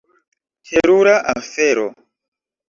Terura afero.